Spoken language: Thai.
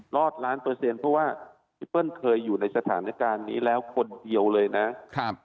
รอดล้านเปอร์เซ็นต์เพราะว่าพี่เปิ้ลเคยอยู่ในสถานการณ์นี้แล้วคนเดียวเลยนะครับ